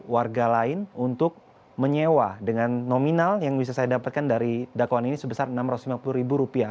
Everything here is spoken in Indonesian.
warga lain untuk menyewa dengan nominal yang bisa saya dapatkan dari dakwaan ini sebesar rp enam ratus lima puluh ribu rupiah